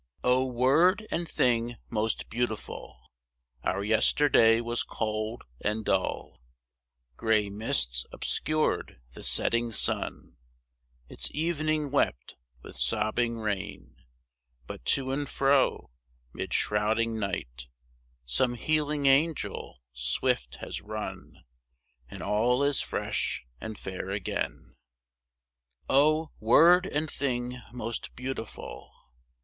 O word and thing most beautiful! Our yesterday was cold and dull, Gray mists obscured the setting sun, Its evening wept with sobbing rain; But to and fro, mid shrouding night, Some healing angel swift has run, And all is fresh and fair again. O, word and thing most beautiful!